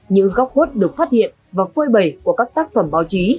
những góc hốt được phát hiện và phôi bẩy của các tác phẩm báo chí